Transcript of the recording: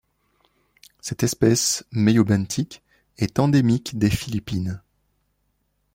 Cette espèce meiobenthique est endémique des Philippines.